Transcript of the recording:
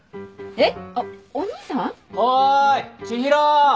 ・えっ？